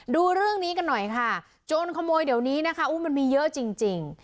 ดูเรื่องนี้กันหน่อยค่ะโจรขโมยเดี๋ยวนี้นะคะมันมีเยอะจริง